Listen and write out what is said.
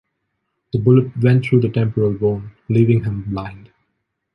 The bullet went through the temporal bone, leaving him blind.